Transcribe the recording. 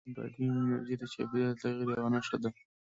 افغانستان کې بادي انرژي د چاپېریال د تغیر یوه نښه ده.